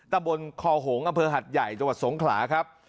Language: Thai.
ตะบนคอหงษ์อำเภอหัดใหญ่จังหวัดสงขลาครับ